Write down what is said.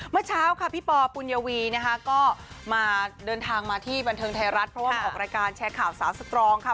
เมื่อเช้าค่ะพี่ปอปุญวีนะคะก็มาเดินทางมาที่บันเทิงไทยรัฐเพราะว่ามาออกรายการแชร์ข่าวสาวสตรองค่ะ